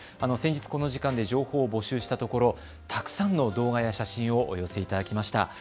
先日この時間で情報を募集したところ、たくさんの動画や写真をお寄せいただきました。